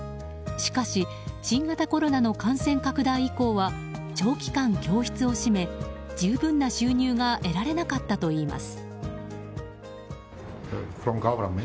しかし新型コロナの感染拡大以降は長期間教室を閉め、十分な収入が得られなかったといいます。